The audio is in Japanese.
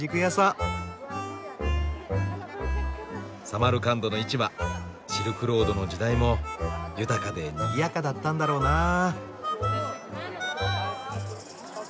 サマルカンドの市場シルクロードの時代も豊かでにぎやかだったんだろうなあ。